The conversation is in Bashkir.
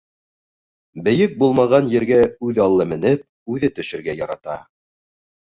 Бейек булмаған ергә үҙ аллы менеп, үҙе төшөргә ярата.